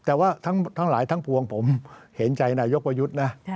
แต่ว่าทั้งหลายทั้งปวงผมเห็นใจนายกประยุทธ์นะ